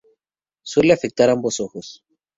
Suele afectar ambos ojos.